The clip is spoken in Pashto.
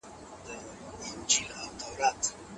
دوی د باطل مخنيوی کړی و.